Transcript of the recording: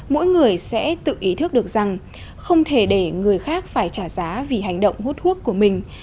mỗi người sẽ tự ý thức được rằng không thể để người khác phải trả giá vì hành động hút thuốc của mình